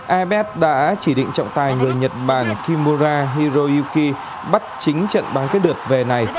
abf đã chỉ định trọng tài người nhật bản kimura hiroyuki bắt chính trận bắn kết đượt về này